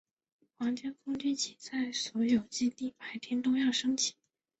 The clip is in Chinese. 皇家空军旗在所有基地白天都要升起。